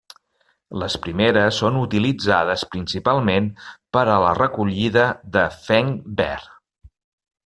Les primeres són utilitzades principalment per a la recollida de fenc verd.